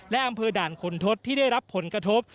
และอำเภอด่านขุนทศที่ได้รับผลกระทบ